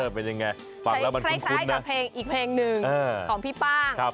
เป็นยังไงฟังแล้วมันคล้ายกับเพลงอีกเพลงหนึ่งของพี่ป้าง